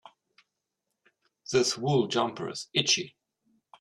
This wool jumper is itchy.